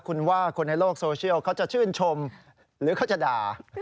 คุณว่าคนในโลกโซเชียลเขาจะชื่นชมหรือเขาจะด่า